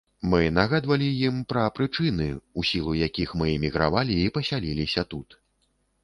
Мы нагадвалі ім пра прычыны, у сілу якіх мы эмігравалі і пасяліліся тут.